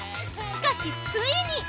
しかしついに！